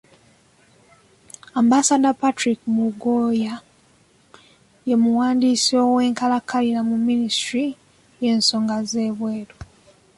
Ambassador Patrick Mugoya ye muwandiisi owenkalakkalira mu minisitule y'ensonga z'ebweru.